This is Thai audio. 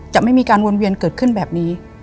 จะไม่มีการวนเวียนเกิดขึ้นแบบนี้